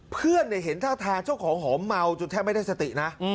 เพื่อนเห็นท่าทางเจ้าของหอมเมาจนแทบไม่ได้สตินะ